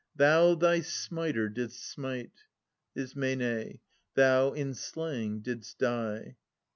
Thou thy smiter didst smite. Is. Thou in slaying didst die.